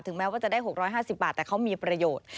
แม้ว่าจะได้๖๕๐บาทแต่เขามีประโยชน์